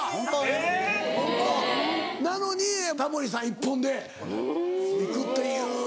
えぇ！なのにタモリさん一本でいくっていう。